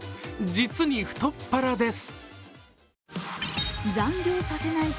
実に太っ腹です。